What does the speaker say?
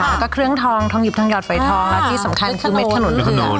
แล้วก็เครื่องทองทองหยิบทองหอดฝอยทองและที่สำคัญคือเม็ดถนนเลือน